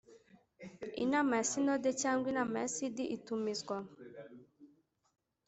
inama ya sinode cyangwa inama ya cd itumizwa